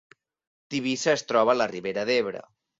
Tivissa es troba a la Ribera d’Ebre